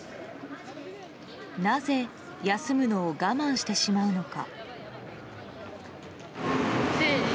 なぜ、休むのを我慢してしまうのか。